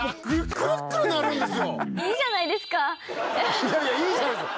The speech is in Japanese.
いやいやいいじゃないんすよ。